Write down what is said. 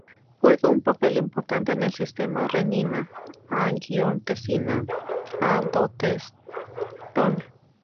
Juegan un papel importante en el sistema renina angiotensina aldosterona.